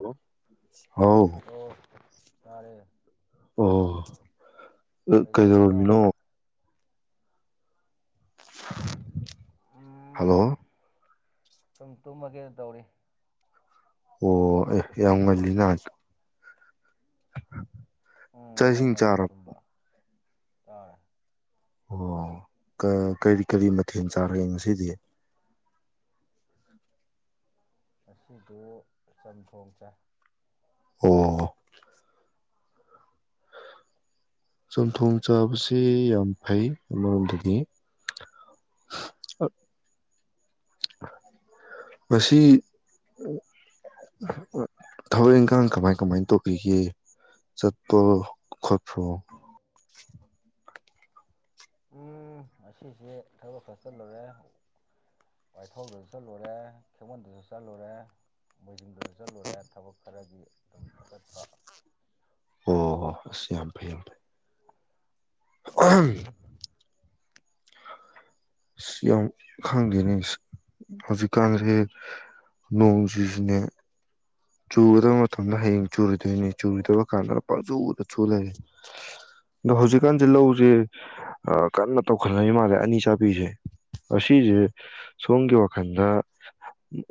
Hello ꯍꯥꯎ ꯑꯣ ꯇꯥꯔꯦ ꯑꯣ ꯀꯩꯗꯧꯔꯝꯃꯤꯅꯣ ꯍꯂꯣ ꯎꯝ ꯁꯨꯝ ꯇꯨꯝꯃꯒꯦ ꯇꯧꯔꯤ ꯑꯣ ꯌꯥꯝ ꯉꯜꯂꯤꯅ ꯎꯝ ꯆꯥꯛ ꯉꯟ ꯏꯁꯤꯡ ꯉꯟꯅ ꯆꯥꯔꯕ ꯇꯨꯝꯕ ꯇꯥ ꯑꯣ ꯀꯔꯤ ꯀꯔꯤ ꯃꯊꯦꯜ ꯆꯥꯔꯒꯦ ꯉꯁꯤꯗꯤ ꯉꯁꯤꯗꯨ ꯆꯝꯊꯣꯡ ꯆꯥꯏ ꯑꯣ ꯆꯝꯊꯣꯡ ꯆꯥꯕꯁꯤ ꯌꯥꯝ ꯐꯩ ꯑꯃꯔꯣꯝꯗꯅꯤ ꯃꯁꯤ ꯊꯕꯛ ꯏꯪꯈꯥꯡ ꯀꯃꯥꯏ ꯀꯃꯥꯏ ꯇꯧꯈꯤꯒꯦ ꯆꯠꯄ ꯈꯣꯠꯄ꯭ꯔꯣ ꯎꯝ ꯉꯁꯤꯁꯦ ꯊꯕꯛ ꯈꯔ ꯆꯠꯂꯨꯔꯦ ꯋꯥꯏꯊꯧꯗꯁꯨ ꯆꯠꯂꯨꯔꯦ ꯈꯦꯃꯟꯗꯁꯨ ꯆꯠꯂꯨꯔꯦ ꯃꯣꯏꯖꯤꯡꯗꯁꯨ ꯆꯠꯂꯨꯔꯦ ꯊꯕꯛ ꯈꯔꯒꯤ ꯑꯗꯨꯝ ꯆꯠꯄ ꯑꯣ ꯍꯣ ꯑꯁ ꯌꯥꯝ ꯐꯩ ꯌꯥꯝ ꯐꯩ [unintelligible] ꯁꯤ ꯌꯥꯝ ꯈꯪꯗꯦꯅꯦ ꯍꯧꯖꯤꯛꯀꯥꯟꯁꯦ ꯅꯣꯡꯁꯤꯁꯨꯅꯦ ꯆꯨꯒꯗꯕ ꯃꯇꯝꯗ ꯍꯌꯦꯡ ꯆꯨꯨꯔꯣꯏꯗꯣꯏꯅꯤ ꯆꯨꯔꯣꯏꯗꯕ ꯀꯥꯟꯗ ꯄꯪꯆꯨꯗ ꯆꯨ ꯂꯩ ꯑꯗꯣ ꯍꯧꯖꯤꯛꯀꯥꯟꯁꯦ ꯂꯧꯁꯦ ꯀꯟꯅ ꯇꯧꯈꯠꯂꯛꯏ ꯃꯥꯜꯂꯦ ꯑꯅꯤ ꯆꯥꯕꯤꯁꯦ ꯑꯁꯤꯁꯦ ꯁꯣꯝꯒꯤ ꯋꯥꯈꯜꯗ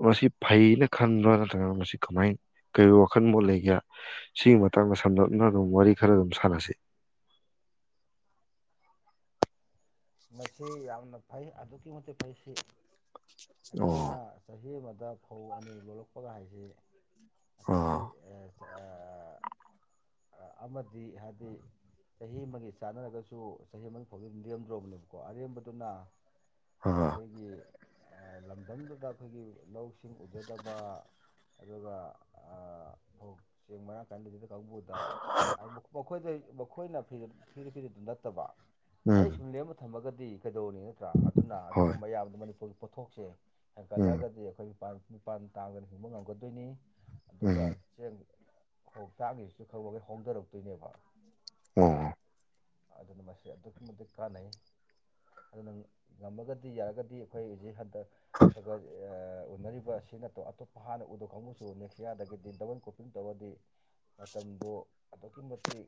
ꯃꯁꯤ ꯐꯩꯅ ꯈꯟꯕ꯭ꯔꯥ ꯅꯠꯇ꯭ꯔꯒꯅ ꯃꯁꯤ ꯀꯃꯥꯏ ꯀꯔꯤ ꯋꯥꯈꯜ ꯃꯣꯠ ꯂꯩꯒꯦ ꯁꯤꯒꯤ ꯃꯇꯥꯡꯗ ꯁꯝꯂꯞꯅ ꯑꯗꯨꯝ ꯋꯥꯔꯤ ꯈꯔ ꯑꯗꯨꯝ ꯁꯥꯟꯅꯁꯤ ꯃꯁꯤ ꯌꯥꯝꯅ ꯐꯩ ꯑꯗꯨꯛꯀꯤ ꯃꯇꯤꯛ ꯐꯩ ꯁꯤ ꯑꯣ ꯑꯈꯣꯏꯅ ꯆꯍꯤ ꯑꯃꯗ ꯗ ꯐꯧ ꯑꯅꯤ ꯂꯣꯜꯂꯛꯄꯒ ꯍꯥꯏꯁꯤ ꯑꯥ ꯑꯁꯥꯏꯒꯤ ꯑ ꯑꯃꯗꯤ ꯍꯥꯏꯗꯤ ꯆꯍꯤ ꯑꯃꯒꯤ ꯆꯥꯟꯅꯔꯒꯁꯨ ꯆꯍꯤ ꯑꯃꯒꯤ ꯐꯥꯎꯕ ꯑꯗꯨꯝ ꯂꯦꯝꯗ꯭ꯔꯣꯕꯅꯦꯕ ꯀꯣ ꯑꯔꯦꯝꯕꯗꯨꯅ ꯑꯥ ꯑꯈꯣꯏꯒꯤ ꯂꯝꯗꯝꯗꯨꯗ ꯑꯈꯣꯏꯒꯤ ꯂꯧ ꯏꯁꯤꯡ ꯎꯖꯗꯕ ꯑꯗꯨꯒ ꯐꯧ ꯆꯦꯡ ꯃꯔꯥꯡ ꯀꯥꯏ ꯂꯩꯖꯗꯕ ꯀꯥꯡꯕꯨꯗ ꯍꯥꯏ ꯃꯈꯣꯏꯗꯩ ꯃꯈꯣꯏꯅ ꯐꯤꯔ ꯐꯤꯔꯛꯏꯗꯨ ꯅꯠꯇꯕ ꯎꯝ ꯑꯩ ꯁꯨꯝ [unintelligible] ꯊꯝꯃꯒꯗꯤ ꯀꯩꯗꯧꯅꯤ ꯅꯠꯇ꯭ꯔꯥ ꯑꯗꯨꯅ ꯍꯣꯏ ꯑꯗꯨꯒꯨꯝꯕ ꯑꯌꯥꯝꯕꯗꯨ ꯃꯅꯤꯄꯨꯔꯒꯤ ꯄꯣꯠꯊꯣꯛꯁꯦ ꯎꯝ ꯍꯦꯟꯒꯠꯂꯒꯗꯤ ꯑꯩꯈꯣꯏ ꯃꯤꯄꯥꯟ ꯇꯥꯡꯗꯅ ꯍꯤꯡꯕ ꯉꯝꯒꯗꯣꯏꯅꯤ ꯑꯗꯨꯒ ꯎꯝ ꯆꯦꯡ ꯍꯣꯛ ꯇꯥꯛꯂꯤꯁꯤꯁꯨ ꯈꯔꯈꯔ ꯍꯣꯡꯗꯔꯛꯇꯣꯏꯅꯦꯕ ꯑꯣ... ꯑꯗꯨꯅ ꯃꯁꯤ ꯑꯗꯨꯛꯀꯤ ꯃꯇꯤꯛ ꯀꯥꯟꯅꯩ ꯑꯗꯨꯅ ꯉꯝꯃꯒꯗꯤ ꯌꯥꯔꯒꯗꯤ ꯑꯩꯈꯣꯏ ꯍꯧꯖꯤꯛ ꯍꯟꯗꯛ ꯈꯔ ꯈꯔ ꯎꯅꯔꯤꯕꯁꯤ ꯅꯠꯇ ꯑꯇꯣꯞꯄ ꯍꯥꯟꯅ ꯎꯗ ꯈꯪꯉꯁꯨ ꯅꯦꯛꯁ ꯌꯥꯌꯥꯔꯗꯒꯤꯗꯤ ꯗꯕꯜ ꯀꯣꯄꯤꯡ ꯇꯧꯔꯗꯤ ꯃꯇꯝꯗꯨ ꯑꯗꯨꯛꯀꯤ ꯃꯇꯤꯛ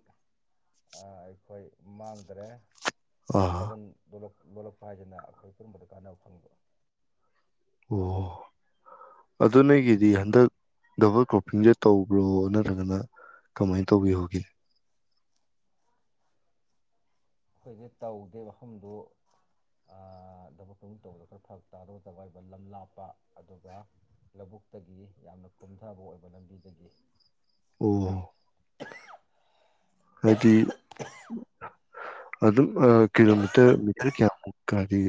ꯑꯩꯈꯣꯏ ꯃꯥꯡꯗꯔꯦ ꯑꯥ ꯗꯕꯟ ꯗꯣꯂꯛ ꯂꯣꯜꯂꯛꯄ ꯍꯥꯏꯗꯅ ꯑꯩꯈꯣꯏ ꯄꯨꯝꯟꯕꯗ ꯀꯥꯟꯅꯕ ꯐꯪꯕ ꯑꯣ ꯑꯗꯨ ꯅꯣꯏꯒꯤꯗꯤ ꯍꯟꯗꯛ ꯗꯕꯜ ꯀ꯭ꯔꯣꯞꯄꯤꯡꯁꯦ ꯇꯧꯕ꯭ꯔꯣ ꯅꯠꯇ꯭ꯔꯒꯅ ꯀꯃꯥꯏꯅ ꯇꯧꯕꯤꯍꯣꯒꯦ ꯑꯩꯈꯣꯏꯗꯤ ꯇꯧꯗꯦ ꯃꯐꯝꯗꯨ ꯊꯕꯛ ꯊꯛ ꯇꯧꯕꯗꯣ ꯈꯔ ꯐꯔꯛ ꯇꯥꯔ ꯇꯏꯕ ꯂꯝ ꯂꯥꯞꯄ ꯑꯗꯨꯒ ꯂꯧꯕꯨꯛꯇꯒꯤ ꯌꯥꯝꯅ ꯀꯨꯝꯊꯕ ꯑꯣꯏꯕ ꯂꯝꯕꯤꯗꯒꯤ ꯑꯣ [unintelligible] ꯗꯒꯥ ꯑꯗꯨꯝ ꯀꯤꯂꯣꯃꯤꯇꯔ ꯃꯤꯇꯔ ꯀꯌꯥꯃꯨꯛꯀꯗꯤ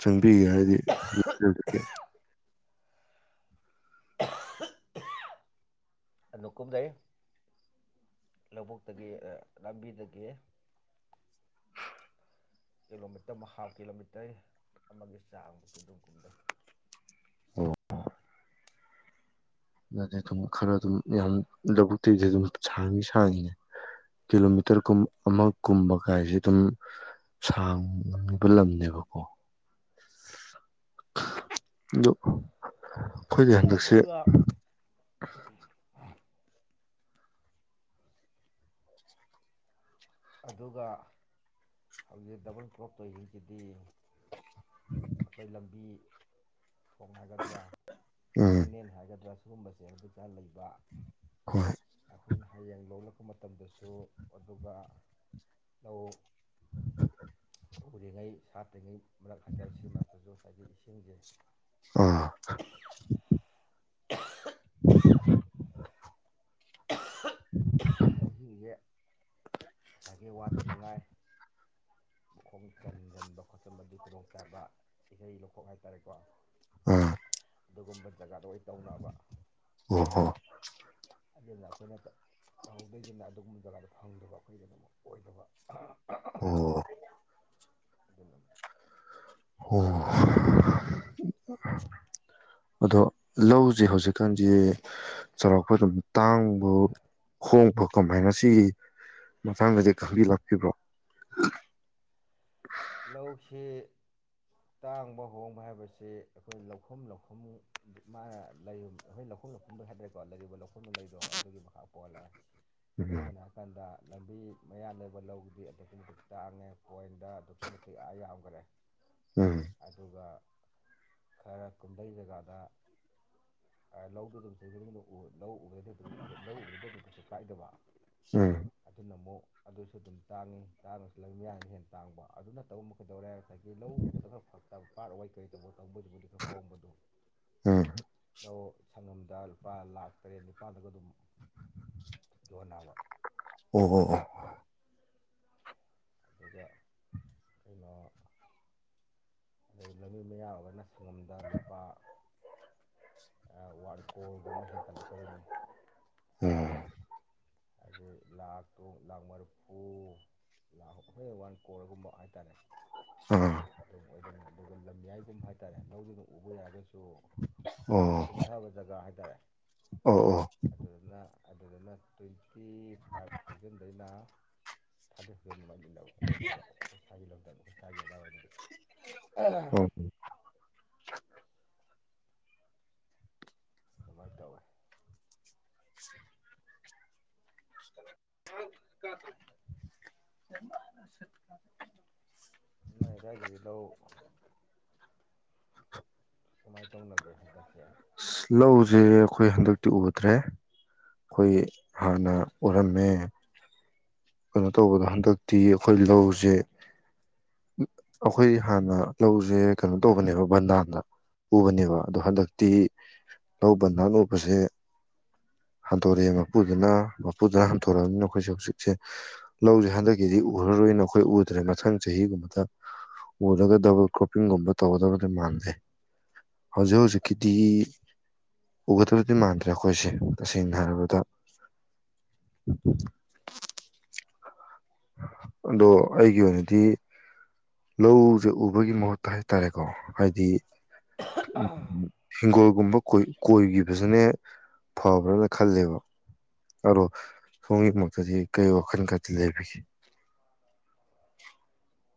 ꯆꯪꯕꯤꯒꯦ ꯍꯥꯏꯗꯤꯦ ꯅꯨꯀ ꯇꯤꯗꯩ ꯂꯧꯕꯨꯛꯇꯒꯤ ꯂꯝꯕꯤꯗꯒꯤ ꯀꯤꯂꯣꯃꯤꯇꯔ ꯍꯥꯐ ꯀꯤꯂꯣꯃꯤꯇꯔ ꯑꯃꯒꯤ ꯆꯥꯡꯃꯨꯛꯇꯤ ꯑꯗꯨꯝ ꯀꯨꯝꯅꯩ ꯑꯣ ꯑꯗꯨꯗꯤ ꯑꯗꯨꯝ ꯈꯔ ꯑꯗꯨꯝ ꯌꯥꯝ ꯂꯧꯕꯨꯛꯇꯤꯗꯤ ꯑꯗꯨꯝ ꯁꯥꯡꯏ ꯁꯥꯡꯉꯤꯅꯦ ꯀꯤꯂꯣꯃꯤꯇꯔ ꯑꯃ ꯀꯨꯝꯕ ꯀꯥꯏꯁꯦ ꯑꯗꯨꯝ ꯁꯥꯡꯕ ꯂꯝꯅꯦꯕꯀꯣ ꯑ ꯑꯩꯈꯣꯏꯒꯤ ꯍꯟꯗꯛꯁꯦ [unintelligible] ꯑꯗꯨꯒ ꯍꯧꯖꯤꯛ ꯗꯕꯜ ꯀ꯭ꯔꯣꯞ ꯇꯣꯏꯁꯤꯡꯁꯤꯗꯤ ꯑꯩꯈꯣꯏ ꯂꯝꯕꯤ ꯊꯣꯡ ꯍꯥꯏꯒꯗ꯭ꯔꯥ ꯎꯝ ꯀꯦꯅꯦꯦꯟ ꯍꯥꯏꯒꯗ꯭ꯔꯥ ꯁꯤꯒꯨꯝꯕꯁꯦ ꯃꯇꯤ ꯆꯥ ꯂꯩꯕ ꯍꯣꯏ ꯑꯩꯈꯣꯏꯅ ꯍꯌꯦꯡ ꯂꯣꯛꯂꯛꯄ ꯃꯇꯝꯗꯁꯨ ꯑꯗꯨꯒ ꯑꯝ ꯎꯔꯤꯉꯩ ꯁꯥꯠꯇ꯭ꯔꯤꯉꯩ ꯃꯔꯛ ꯍꯥꯏꯇꯥꯔꯦ ꯁꯤ ꯃꯔꯛꯇ ꯉꯁꯥꯏꯒꯤ ꯏꯁꯤꯡꯁꯦ ꯑꯥ ꯑꯍꯤꯡꯁꯦ ꯉꯁꯥꯒꯤ ꯋꯥꯠꯄꯅꯤꯉꯥꯏ ꯃꯈꯣꯡ ꯆꯟꯁꯤꯟꯕ ꯈꯣꯠꯆꯟꯕꯗꯨ ꯈꯨꯗꯣꯡꯆꯥꯥꯕ ꯏꯁꯩ ꯂꯧꯈꯣꯛ ꯍꯥꯏꯇꯥꯔꯦꯀꯣ ꯑ ꯑꯗꯨꯒꯨꯝꯕ ꯖꯒꯥꯗꯣ ꯑꯣꯏ ꯇꯧꯅꯕ ꯎ ꯍ ꯑꯗꯨꯅ ꯑꯩꯈꯣꯏꯅ ꯇꯧꯍꯧꯗꯣꯏꯁꯤꯡꯅ ꯑꯗꯨꯒꯨꯝꯕ ꯖꯒꯥꯗ ꯐꯪꯗꯕ ꯑꯩꯈꯣꯏꯒꯤꯗ ꯑꯗꯨꯃꯛ ꯑꯣꯏꯗꯕ ꯑꯣ ꯑꯗꯨ ꯑꯣ ꯑꯗꯣ ꯂꯧꯁꯦ ꯍꯧꯖꯤꯛꯀꯥꯟꯁ ꯆꯥꯎꯔꯥꯛꯄ ꯑꯗꯨꯝ ꯇꯥꯡꯕ ꯍꯣꯡꯕ ꯀꯃꯥꯏꯅ ꯁꯤꯒꯤ ꯃꯇꯥꯡꯗꯗꯤ ꯈꯪꯕꯤ ꯂꯥꯛꯄꯤꯕ꯭ꯔꯣ ꯂꯧꯁꯤ ꯇꯥꯡꯕ ꯍꯣꯡꯕ ꯍꯥꯏꯕꯁꯤ ꯑꯩꯈꯣꯏ ꯂꯧꯐꯝ ꯂꯧꯐꯝ ꯃꯥꯅ ꯑꯩꯈꯣꯏ ꯂꯧꯐꯝ ꯂꯧꯐꯝꯗꯣ ꯍꯥꯏꯇꯥꯔꯦꯀꯣ ꯂꯩꯔꯤꯕ ꯂꯧꯐꯝꯗꯨ ꯂꯩꯗꯣ ꯑꯗꯨꯒꯤ ꯃꯈꯥ ꯄꯣꯍꯜꯂꯑꯦ ꯑꯗꯨ ꯎꯝ ꯃꯅ ꯍꯥꯏ ꯀꯥꯟꯗ ꯂꯝꯕꯤ ꯃꯌꯥ ꯂꯩꯕ ꯂꯧꯕꯨꯗꯤ ꯑꯗꯨꯇꯛꯀꯤ ꯃꯇꯤꯛ ꯇꯥꯡꯉꯦ ꯄꯣꯏꯟꯗ [unintelligible] ꯌꯥꯎꯈ꯭ꯔꯦ ꯎꯝ ꯑꯗꯨꯒ ꯈꯔ ꯀꯨꯝꯗꯩ ꯖꯒꯥꯗ ꯂꯧꯗꯨ ꯑꯗꯨꯝ ꯆꯍꯤ ꯈꯨꯗꯤꯡ ꯂꯧ ꯎꯕꯗꯗꯤ ꯂꯧ ꯎꯕꯗꯗꯤ ꯑꯗꯨꯝ ꯀꯩꯁꯨ ꯀꯥꯏꯗꯕ ꯎꯝ ꯑꯗꯨ ꯅꯃꯣ ꯑꯗꯨꯁꯨ ꯑꯗꯨꯝ ꯇꯥꯡꯉꯤ ꯇꯥꯡꯉꯁꯨ ꯂꯩ ꯃꯌꯥꯅ ꯍꯦꯟꯅ ꯇꯥꯡꯕ ꯑꯗꯨꯅꯠꯇꯧꯕ ꯀꯩꯗꯧꯔꯦ ꯉꯁꯥꯏꯒꯤ ꯂꯧ ꯎꯕꯗ ꯈ ꯐꯛꯇꯕ ꯄꯥꯠ ꯋꯥꯏ ꯀꯔꯤ ꯇꯧꯕ ꯇꯧꯕꯗꯨꯕꯨꯗꯤ ꯈꯔ ꯍꯣꯡꯝꯕꯗꯣ ꯎꯝ ꯁꯪꯒꯣꯝꯗ ꯂꯨꯄꯥ ꯂꯥꯛ ꯇꯔꯦꯠ ꯅꯤꯄꯥꯜꯗꯒ ꯑꯗꯨꯝ ꯌꯣꯟꯅꯕ ꯑꯣ ꯍ ꯋꯥ ꯑꯗꯨꯒ ꯀꯩꯅꯣ ꯑꯗꯨꯒ ꯂꯝꯕꯤ ꯃꯌꯥ ꯑꯣꯏꯒꯅ ꯁꯪꯉꯝꯗ ꯂꯨꯄꯥ ꯋꯥꯠ ꯀꯣꯔꯣꯔ ꯃꯍ ꯍꯦꯟꯒꯂꯛ ꯀ ꯑꯗꯨꯅꯦ ꯑꯣ ꯍꯥꯏꯗꯤ ꯂꯥꯛꯇꯣ ꯂꯥꯛ ꯃꯔꯔꯤꯐꯨ ꯂꯥꯈ ꯍꯈꯣꯏ ꯋꯥꯟ ꯀꯣꯔꯒꯨꯝꯕ ꯍꯥꯏꯇꯥꯔꯦ ꯎꯝ ꯑꯗꯨꯝ ꯑꯣꯏꯗꯣꯏꯅꯦ ꯑꯗꯨꯒ ꯂꯝꯌꯥꯏꯒꯨꯝꯕ ꯍꯥꯏꯇꯥꯔꯦ ꯂꯧꯗꯨꯅ ꯎꯕ ꯌꯥꯔꯒꯁꯨ ꯁꯨ ꯑꯣ ꯈꯔ ꯀꯨꯝꯊꯕ ꯖꯒꯥ ꯍꯥꯏꯇꯥꯔꯦ ꯑꯣ ꯑꯣ ꯑꯗꯨꯗꯅ ꯇ꯭ꯋꯦꯟꯇꯤ ꯐꯥꯏꯚ ꯊꯥꯎꯖꯟꯗꯩꯅ ꯊꯥꯔꯇꯤ ꯊꯥꯎꯖꯟ ꯂꯩꯅꯕ ꯑꯩꯈꯣꯏ ꯏꯁꯥꯒꯤ ꯂꯝꯗꯝꯗ ꯑꯈꯣꯌ ꯁꯥꯏꯒꯤ ꯑꯗꯋꯥꯏꯗꯗꯤ ꯎꯝꯝ ꯑꯗꯨꯃꯥꯏꯅ ꯇꯧꯋꯦ [unintelligible] ꯅꯣꯏ ꯑꯗꯥꯏꯗꯗꯤ ꯂꯧ ꯀꯃꯥꯏꯅ ꯇꯧꯅꯒꯦ ꯍꯟꯗꯛꯁꯦ ꯂꯧꯁꯦ ꯑꯩꯈꯣꯏ ꯍꯟꯗꯛꯇꯤ ꯎꯗ꯭ꯔꯦ ꯑꯩꯈꯣꯏ ꯍꯥꯟꯅ ꯎꯔꯝꯃꯦ ꯀꯩꯅꯣ ꯇꯧꯕꯗꯣ ꯍꯟꯗꯛꯇꯤ ꯑꯩꯈꯣꯏ ꯂꯧꯁꯦ ꯑꯩꯈꯣꯏ ꯍꯥꯟꯅ ꯂꯧꯁꯦ ꯀꯩꯅꯣ ꯇꯧꯕꯅꯦꯕ ꯕꯟꯗꯥꯟꯗ ꯎꯕꯅꯦꯕ ꯑꯗꯣ ꯍꯟꯗꯛꯇꯤ ꯂꯧ ꯕꯟꯗꯥꯟ ꯎꯕꯁꯦ ꯍꯟꯗꯣꯔꯛꯑꯦ ꯃꯄꯨꯗꯨꯅ ꯃꯄꯨꯗꯨꯅ ꯍꯟꯗꯣꯔꯛꯑꯕꯅꯤꯅ ꯑꯩꯈꯣꯏꯁꯦ ꯍꯧꯖꯤꯛꯁꯦ ꯂꯧꯁꯦ ꯍꯟꯗꯛꯀꯤꯗꯤ ꯎꯔꯔꯣꯏꯅ ꯑꯈꯣꯏ ꯎꯗ꯭ꯔꯦ ꯃꯊꯪ ꯆꯍꯤꯒꯨꯝꯕꯗ ꯎꯔꯒ ꯗꯕꯜ ꯀ꯭ꯔꯣꯞꯄꯤꯡꯒꯨꯝꯕ ꯇꯧꯒꯗꯕꯗꯤ ꯃꯥꯟꯂꯦ ꯍꯧꯖꯤꯛ ꯍꯧꯖꯤꯛꯀꯤꯗꯤ ꯎꯒꯗꯕꯗꯤ ꯃꯥꯟꯗ꯭ꯔꯦ ꯑꯈꯣꯏꯁꯦ ꯇꯁꯦꯡꯅ ꯍꯥꯏꯔꯕꯗ꯫ ꯑꯗꯣ ꯑꯩꯒꯤ ꯑꯣꯏꯅꯗꯤ ꯂꯧꯁꯦ ꯎꯕꯒꯤ ꯃꯍꯨꯠꯇ ꯍꯥꯏꯇꯥꯔꯦꯀꯣ ꯍꯥꯏꯗꯤ꯫ ꯎꯝ꯫ ꯍꯤꯡꯒꯣꯜꯒꯨꯝꯕ ꯀꯣꯏꯒꯤꯈꯤꯕꯁꯤꯅꯦ ꯐꯕ꯭ꯔꯅ ꯈꯜꯂꯦꯕ ꯑꯗꯣ ꯁꯣꯝꯒꯤꯃꯛꯇꯗꯤ ꯀꯔꯤ ꯋꯥꯈꯜ ꯀꯇꯤ ꯂꯩꯕꯤꯒꯦ꯫ [unintelligible]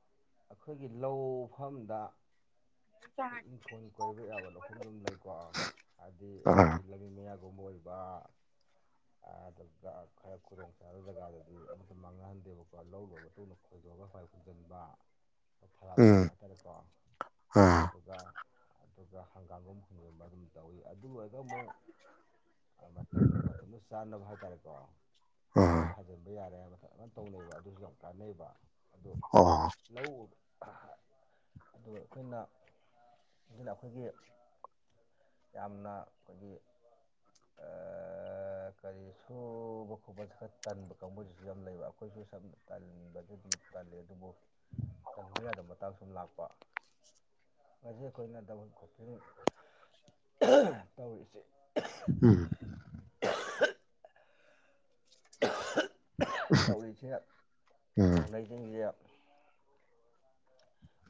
ꯑꯈꯣꯏꯒꯤ ꯂꯧꯐꯝꯗ꯫ ꯑꯈꯣꯏ ꯏꯪꯈꯣꯜ ꯀꯣꯏꯕ ꯌꯥꯕ ꯂꯧꯐꯝꯗꯨꯝ ꯂꯩꯀꯣ ꯍꯥꯏꯕꯗꯤ ꯑꯥ ꯑꯈꯣꯏꯒꯤ ꯂꯝꯕꯤ ꯃꯌꯥ꯫ ꯒꯨꯝꯕ ꯑꯣꯏꯕ ꯑꯗꯨꯒ ꯈꯔ ꯈꯨꯗꯣꯡ ꯆꯥꯗꯕ ꯖꯒꯥꯗꯗꯤ ꯑꯃꯠꯇ ꯃꯥꯡꯅꯍꯟꯗꯦꯕꯀꯣ ꯂꯧ ꯂꯣꯏꯔꯕ ꯃꯇꯨꯡꯗ꯫ ꯈꯣꯏꯗꯣꯛꯑꯒ ꯍꯥꯋꯥꯏ ꯍꯨꯟꯖꯤꯟꯕ꯫ ꯊꯔꯥꯛꯀꯨꯝꯕ ꯎꯝ ꯍꯥꯏꯇꯥꯔꯦꯀꯣ ꯑꯥ ꯑꯗꯨꯒ꯫ ꯑꯗꯨꯒ ꯍꯪꯒꯥꯝꯒꯨꯝ ꯍꯨꯟꯖꯟꯕ ꯑꯗꯨꯝ ꯇꯧꯏ ꯑꯗꯨ ꯂꯣꯏꯔꯒ ꯑꯃꯨꯛ꯫ ꯃꯇꯝ ꯃ ꯆꯅꯕ ꯍꯥꯏ ꯇꯥꯔ‌ꯦ꯫ ꯇꯔ‌ꯦꯀꯣ꯫ ꯑꯥ ꯀꫭꯕꯤ ꯊꯥꯖꯟꯕ ꯌꯥꯔꯦ꯫ ꯑꯗꯨꯃꯥꯟ ꯇꯧꯅꯩꯕ ꯑꯗꯨꯁꯨ ꯌꯥꯝ ꯀꯥꯟꯅꯩꯕ꯫ ꯑꯗꯣ ꯑꯣ ꯂꯧ꯫ ꯑꯗꯨ ꯑꯈꯣꯏꯅ ꯑꯗꯨꯅ ꯑꯈꯣꯏꯒꯤ ꯌꯥꯝꯅ ꯑꯈꯣꯏꯒꯤ ꯀꯔꯤ ꯁꯨꯕ ꯈꯣꯠꯄ ꯈꯔ ꯇꯟꯕ ꯀꯥꯡꯕꯨꯁꯤꯁꯨ ꯌꯥꯝ ꯂꯩꯕ ꯑꯈꯣꯏꯁꯨ ꯁꯝꯅ ꯇꯟꯕ꯫ ꯑꯗꯨꯝ ꯇꯜꯂꯤ ꯑꯗꯨꯕꯨ ꯇꯟꯕ ꯌꯥꯗꯕ ꯃꯇꯥꯡ ꯁꯨꯝ ꯂꯥꯛꯄ ꯉꯁꯤ ꯑꯈꯣꯏꯅ ꯗꯕꯜ ꯀꯣꯄꯤꯡ ꯇꯧꯔꯤꯁꯤ꯫ ꯎꯝ ꯫ [unintelligible] ꯇꯧꯔꯤꯁꯤ ꯎꯝ ꯇꯧꯅꯩꯁꯤꯡꯁ‌ꯦ꯫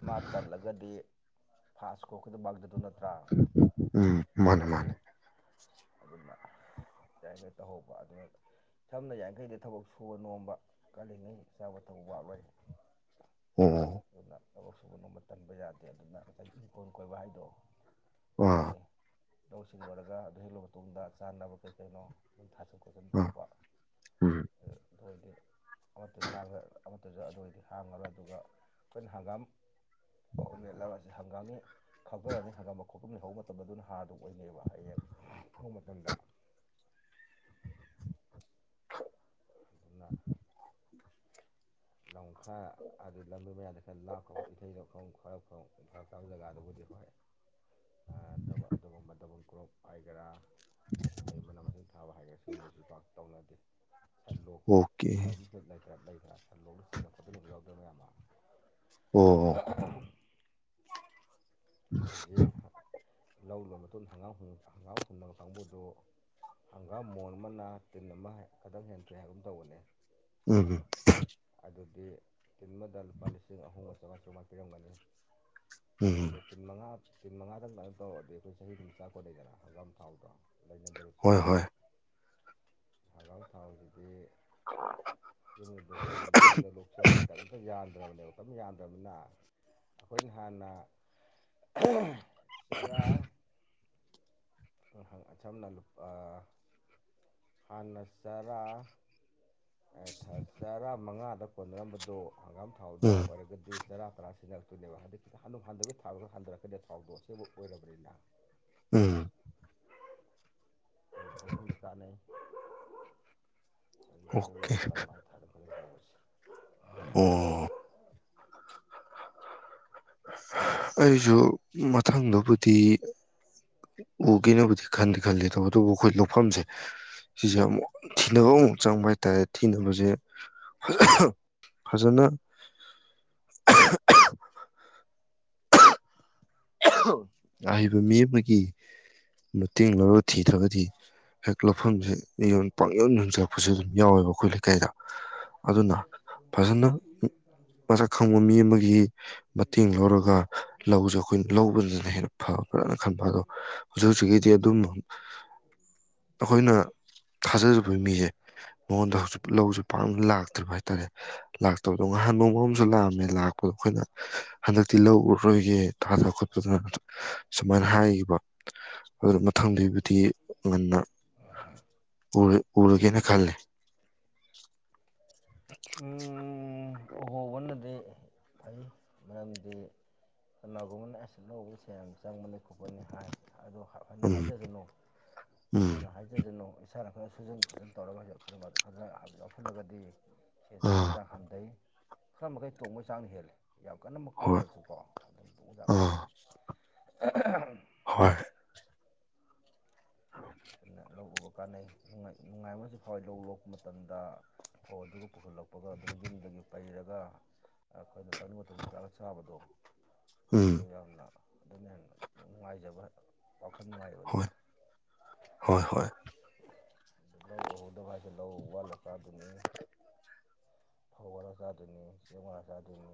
ꯃꯥ ꯇꯜꯂꯒꯗꯤ ꯐꯥꯁ ꯒꫭꯒꯤꯅꯕꯜꯗꯨ ꯅꯠꯇ꯫ ꯎꯝ ꯃꯥꯅꯦ ꯃꯥꯅꯦ꯫ ꯑꯗꯨꯅ ꯌꯥꯔꯤꯈꯩ ꯇꯧꯍꯧꯕ ꯑꯗꯨꯅ ꯁꯝꯅ ꯌꯥꯡꯈꯩꯗꯤ ꯊꯕꯛ ꯁꯨꯕ ꯅꯣꯝꯕ ꯀꯜꯂꯤꯉꯩ ꯆꯥꯕ ꯊꯛꯕ ꯋꯥꯠꯂꯣꯏ꯫ ꯑꯣ꯫ ꯑꯗꯨꯅ ꯊꯕꯛ ꯁꯨꯕ ꯅꯣꯝꯕ ꯇꯟꯕ ꯌꯥꯗꯦ ꯑꯗꯨꯅ ꯉꯁꯥꯏ ꯏꯪꯀꯣꯜ ꯀꯣꯏꯕ ꯍꯥꯏꯗꯣ꯫ ꯑꯥ ꯑꯗꯨꯅꯦ꯫ ꯂꯧꯁꯤꯡ ꯂꯣꯏꯔꯒ ꯑꯗꯨ ꯍꯦꯛ ꯂꯧꯕ꯫ ꯇꯨꯡꯗ ꯆꯥꯅꯕ ꯀꯩ ꯀꯩꯅꯣ ꯑꯗꯨꯝ ꯊꯥꯖꯤꯟ꯫ ꯑꯥ ꯑꯗꯨꯝꯇꯧꯕ ꯎꯝ ꯑ ꯊꯧꯑꯣꯏꯇꯤ꯫ ꯑꯃꯠꯇꯁꯥꯡ ꯑꯃꯇꯁꯨ ꯑꯗꯨꯑꯣꯏꯗꯤ ꯍꯥꯡꯉꯔꯣꯏ ꯑꯗꯨꯒ ꯑꯈꯣꯏꯅ ꯍꯪꯒꯥꯝ꯫ ꯑꯣ ꯃ‌ꯦꯠꯂꯕꯁꯤ꯫ ꯍꯪꯒꯥꯝꯃꯤ꯫ ꯈꯥꯎꯒꯒꯗ‌ꯦ ꯍꯪꯒꯥꯝ ꯃꯀꯨ꯫ ꯍꯧꯐꯝ ꯂꯩꯍꯧꯕ ꯃꯇꯝ ꯑꯗꯨꯅ ꯍꯥꯔꯗꯨꯝ ꯑꯣꯏꯅꯩꯕ ꯍꯥꯏꯌꯦꯡ꯫ ꯊꯧ ꯃꯇꯝꯗ꯫ [unintelligible] ꯂꯧ꯫ ꯈꯔ ꯑꯗꯤ ꯂꯝꯕꯤ ꯃꯌꯥꯗ ꯈꯔ ꯂꯥꯞꯄ ꯏꯊꯩ ꯂꯧꯈꯣꯡ ꯐꯔꯛ ꯇꯥꯕ ꯖꯒꯥꯗꯨꯕꯨꯗꯤ ꯍꯣꯏ ꯑꯗꯨꯒꯨꯝꯕ ꯗꯕꯜ ꯀ꯭ꯔꯣꯞ ꯍꯥꯏꯒꯦꯔꯥ ꯑꯗꯩ ꯃꯅꯥ ꯃꯁꯤꯡ ꯊꯥꯕ ꯍꯥꯏꯒꯥ ꯁꯤꯒꯨꯝꯕꯕꯁꯤ ꯄꯥꯛ ꯇꯧꯅꯗꯦ ꯁꯟ ꯂꯣꯛ ꯑꯣꯀꯦ ꯍꯥꯏ ꯂꯩꯇ꯭ꯔ ꯂꯩ ꯁ ꯂꯣꯛꯗ ꯆꯟꯕꯣꯊꯥꯇꯅ ꯎꯅꯕꯕ ꯌꯥꯎꯗ꯭ꯔꯦ ꯃꯌꯥꯝ ꯑꯃ ꯑꯣ ꯑꯣ ꯍꯧꯖꯤꯛ ꯂꯧꯔꯨꯔꯕ ꯃꯇꯨꯡꯗꯪꯒꯥꯝ ꯍꯪꯒꯥꯝ ꯍꯨꯟꯅꯕ ꯀꯥꯡꯕꯨꯗꯨ ꯍꯪꯒꯥꯝ ꯃꯣꯟ ꯑꯃꯅ ꯇꯤꯟ ꯑꯃ ꯈꯤꯇꯪ ꯍꯦꯟꯊꯣꯛꯏ ꯍꯥꯏꯕ ꯑꯃ ꯇꯧꯕꯅꯤ ꯎꯝ ꯑꯗꯨꯗꯤ ꯇꯤꯟꯃꯗ ꯂꯨꯄꯥ ꯂꯤꯁꯤꯡ ꯑꯍꯨꯝꯒ ꯆꯥꯃꯥꯇꯔꯨꯉꯥ ꯄꯤꯔꯝꯒꯅꯤ ꯑꯗꯨ ꯎꯝ ꯇꯤꯟ ꯃꯉꯥ ꯇꯤꯟ ꯃꯉꯥꯗꯪ ꯑꯗꯨꯃꯥꯏꯝ ꯇꯧꯔꯛꯑꯣ ꯑꯗꯨꯗꯤ ꯑꯩꯈꯣꯏ ꯆꯍꯤ ꯑꯗꯨꯝ ꯆꯥꯛ ꯈꯣꯠꯂ ꯂꯩꯗꯅ ꯍꯪꯒꯥꯝ ꯊꯥꯎꯗꯣ ꯍꯣꯏ ꯍꯣꯏ ꯍꯂꯥꯎ ꯊꯥꯎꯁꯤꯗꯤ ꯌꯨꯝꯗ ꯌꯨꯝꯗ ꯂꯣꯛꯁꯕꯗ ꯀꯔꯤꯝꯇ ꯌꯥꯟꯗ꯭ꯔꯕꯅꯦꯕ ꯁꯝ ꯌꯥꯝꯗ꯭ꯔꯕꯅꯤꯅ ꯑꯩꯈꯣꯏꯅ ꯍꯥꯟꯅ ꯎ ꯆꯔꯥ ꯁꯝꯅ ꯍꯥꯟꯅ ꯆꯔꯥ ꯆꯔꯥ ꯃꯉꯥꯗ ꯀꯣꯟꯅꯔꯝꯕꯗꯨꯣ ꯍꯪꯒꯥꯝ ꯊꯥꯎꯗ ꯎꯝ ꯑꯣꯏꯔꯒꯗꯤ ꯆꯔꯥ ꯇꯔꯥ ꯁꯤꯖꯤꯟꯅꯔꯛꯇꯣꯏꯅꯦꯕ ꯍꯥꯏꯗꯤ ꯈꯤꯇꯪ ꯍ ꯍꯟꯊꯒꯩ ꯊꯥꯕ ꯈꯔ ꯍꯟꯊꯔꯛꯀꯅꯤꯗ ꯊꯥꯎꯗꯣ ꯑꯁꯦꯡꯕ ꯑꯣꯏꯔꯕꯅꯤꯅ ꯎꯝ ꯗ ꯀꯥꯅ ꯂꯧ ꯑꯣꯀꯦ ꯂꯧꯔꯒ ꯑꯗꯨꯃꯥꯏꯅ ꯊꯥꯗꯅ ꯈꯣꯠꯇꯅ ꯇꯧꯕꯁꯦ ꯑꯣ ꯑꯩꯁꯨ ꯃꯊꯪꯗꯕꯨꯗꯤ ꯎꯒꯦꯅꯕꯨꯗꯤ ꯈꯟꯗꯤ ꯈꯜꯂꯤꯦ ꯇꯧꯕ ꯑꯗꯨꯕꯨ ꯑꯩꯈꯣꯏ ꯂꯧꯐꯝꯁꯦ ꯁꯤꯁꯦ ꯑꯃꯨꯛ ꯊꯤꯅꯕ ꯑꯃꯨꯛ ꯆꯪꯕ ꯍꯥꯏꯇꯥꯔꯦ ꯊꯤꯅꯕꯁꯦ ꯐꯖꯅ ꯑꯕ ꯃꯤꯕꯨ ꯒꯤ ꯃꯇꯦꯡ ꯂꯧꯔꯒ ꯊꯤꯗ꯭ꯔꯒꯗꯤ ꯍꯦꯛ ꯂꯧꯐꯝꯁꯦꯣꯟ ꯄ ꯌꯣꯟ ꯌ ꯆꯔꯛꯄꯁꯨ ꯑꯗꯨꯝ ꯌꯥꯎꯋꯦꯕ ꯑꯩꯈꯣꯏ ꯂꯩꯀꯥꯏꯗ ꯑꯗꯨꯅ ꯐꯖꯅ ꯃꯁꯛ ꯈꯪꯕ ꯃꯤ ꯑꯃꯒꯤ ꯃꯇꯦꯡ ꯂꯧꯔꯒ ꯂꯧꯁꯨ ꯂꯧꯕꯗꯨꯅ ꯍꯥꯏꯔꯛꯑꯣ ꯐ ꯐꯖꯅ ꯈꯟꯕ ꯑꯗꯣ ꯍꯧꯖꯤꯛ ꯍꯧꯖꯤꯛꯀꯤꯗꯤ ꯑꯗꯨꯝ ꯑꯩꯈꯣꯏꯅ ꯊꯥꯖꯔꯨꯕ ꯃꯤꯁꯦ ꯃꯉꯣꯟꯗ ꯍꯧꯖꯤꯛ ꯂꯧꯁꯨꯦ ꯄꯥꯛꯅ ꯂꯥꯛ ꯍꯥꯏꯇꯥꯔꯦ ꯂꯥꯛꯇꯧ ꯑꯗꯣ ꯉꯍꯥꯟ ꯅꯣꯡꯕ ꯑꯃꯁꯨ ꯂꯥꯛꯑꯝꯃꯦ ꯂꯥꯛꯄꯗꯣ ꯑꯩꯈꯣꯏꯅ ꯍꯟꯗꯛꯇꯤ ꯂꯧ ꯎꯔꯔꯣꯏꯒꯦ ꯊꯥꯗ ꯈꯣꯠꯄꯗꯅ ꯁꯨꯃꯥꯏꯅ ꯍꯥꯏꯈꯤꯕ ꯑꯗꯨꯅ ꯃꯊꯪꯗꯨꯒꯤꯕꯨꯗꯤ ꯉꯟꯅ ꯎ ꯎꯔꯒꯦꯅ ꯈꯜꯦ ꯎꯝ ꯎꯍꯣꯕꯅꯗꯤ ꯐꯩ ꯃꯔꯝꯗꯤ ꯀꯅꯥꯒꯨꯝꯕꯅ ꯑꯦꯁ ꯂꯧꯕꯁꯦ ꯌꯥꯝ ꯆꯪꯕꯅꯤ ꯈꯣꯠꯄꯅꯤ ꯍꯥꯏ ꯑꯗꯣꯅ ꯎꯝ ꯎꯝ ꯍꯥꯏꯖꯖꯅꯨꯅ ꯍꯥꯏꯖꯖꯅꯨ ꯏꯁꯥꯅ ꯈꯔ ꯁꯨꯖꯟ ꯄꯨꯨꯖꯟ ꯇꯧꯔꯒꯁꯨ ꯈꯔ ꯈꯔ ꯌꯥꯎꯁꯜꯂꯒꯗꯤ ꯁꯦꯜ ꯆꯪꯕ ꯑꯥ ꯆꯥꯡ ꯍꯟꯊꯩ ꯈꯔ ꯃꯈꯩ ꯇꯣꯡꯕꯒꯤ ꯆꯥꯡ ꯍꯦꯜꯂꯤ ꯌꯥꯝ ꯍꯣꯏ ꯀꯟꯅꯃꯛꯇꯣꯡꯗ꯭ꯔꯁꯨꯀꯣ ꯑꯗꯨꯝꯖꯥ ꯑꯥ ꯍꯦꯜꯂꯤ ꯍꯣꯏ ꯂ ꯀꯥꯟꯅꯩꯅꯨꯡ ꯅꯨꯡꯉꯥꯏ ꯑꯃꯁꯨ ꯐꯥꯎꯋꯏ ꯂꯧ ꯂꯣꯛꯄ ꯃꯇꯝꯗ ꯐꯧ ꯑꯗꯨꯒ ꯄꯨꯈꯠꯂꯛ ꯄꯄꯒ ꯑꯗꯨꯒ ꯌꯨꯝꯗꯒꯤ ꯄꯩꯔꯒ ꯑꯩꯈꯣꯏꯅ ꯇꯪꯅꯤꯡꯕ ꯃꯇꯝ ꯇꯔꯒ ꯆꯥꯕꯗꯣ ꯎꯝ ꯑꯗꯨ ꯌꯥꯝꯅ ꯑꯗꯨꯅ ꯍꯦꯟꯅ ꯅꯨꯡꯉꯥꯏꯖꯕ ꯋꯥꯈꯜ ꯅꯨꯡꯉꯥꯏꯕꯗꯨꯅ ꯍꯣꯏ ꯍꯣꯏ ꯍꯣꯏ ꯂꯧ ꯎꯨꯍꯧꯗꯕ ꯍꯥꯏꯁꯦ ꯂꯧ ꯋꯥꯠꯂ ꯆꯥꯗꯣꯏꯅꯤ ꯐꯧ ꯋꯥꯜꯂ ꯆꯥꯗꯣꯏꯅꯤ ꯆꯦꯡ ꯋꯥꯂ ꯆꯥꯗꯣꯏꯅꯤ